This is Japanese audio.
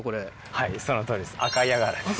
はい、そのとおりです。